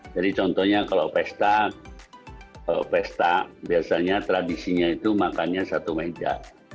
jadi contohnya kalau pesta biasanya tradisinya itu makannya satu meja